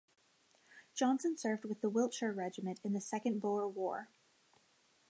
Johnson served with the Wiltshire Regiment in the Second Boer War.